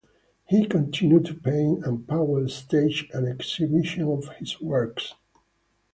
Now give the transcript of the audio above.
He continued to paint, and Powell staged an exhibition of his works.